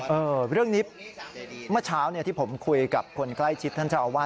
เรื่องนี้เมื่อเช้าเนี่ยที่ผมคุยกับคนใกล้ชิดท่านเจ้าอาวาส